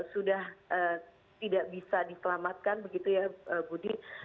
sudah tidak bisa diselamatkan begitu ya budi